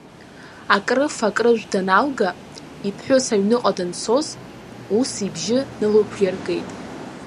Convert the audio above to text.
Акрыфа акрыжә даналга, иԥҳәыс аҩныҟа данцоз, ус ибжьы налықәиргеит.